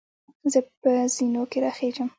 زۀ په زینو کې راخېږم.